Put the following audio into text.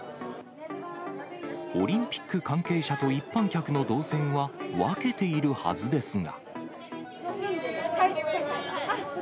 オリンピック関係者と一般客の動線は分けているはずですが。